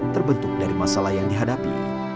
terbentuk dari masalah yang dihadapi